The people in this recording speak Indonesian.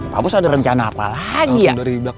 pak bos ada rencana apa lagi ya